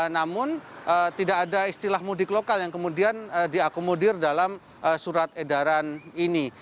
namun tidak ada istilah mudik lokal yang kemudian diakomodir dalam surat edaran ini